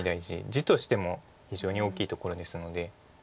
地としても非常に大きいところですので。